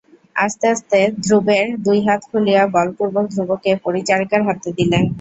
আস্তে আস্তে ধ্রুবের দুই হাত খুলিয়া বলপূর্বক ধ্রুবকে পরিচারিকার হাতে দিলেন।